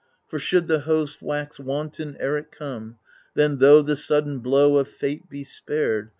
For should the host wax wanton ere it come. Then, tho' the sudden blow of fate be spared.